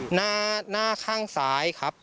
หน้าข้างซ้ายครับ